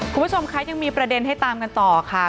คุณผู้ชมคะยังมีประเด็นให้ตามกันต่อค่ะ